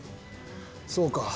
そうか。